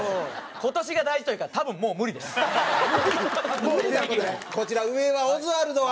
今年が大事というか多分もうこちら上はオズワルドは？